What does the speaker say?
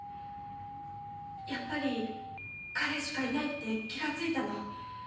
やっぱり彼しかいないって気が付いたの。